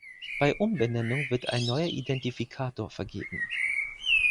Bei Umbenennung wird ein neuer Identifikator vergeben.